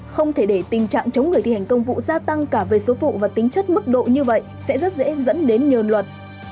không thể để tình trạng chống người thi hành công vụ gia tăng cả về số vụ và tính chất mức độ như vậy sẽ rất dễ dẫn đến nhờn luật